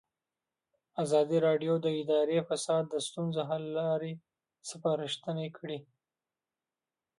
ازادي راډیو د اداري فساد د ستونزو حل لارې سپارښتنې کړي.